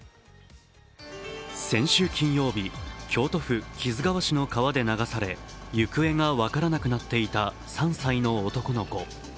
先週金曜日、京都府木津川市の川で流され、行方が分からなくなっていた３歳の男の子。